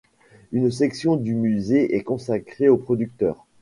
Une section du musée est consacrée au producteur.